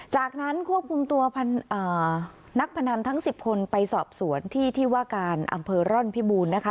จากนั้นควบคุมตัวนักพนันทั้ง๑๐คนไปสอบสวนที่ที่ว่าการอำเภอร่อนพิบูรณ์นะคะ